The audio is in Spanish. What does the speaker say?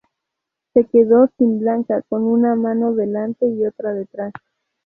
Se quedó sin blanca, con una mano delante y otra detrás